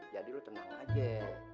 jadi lu tenang aja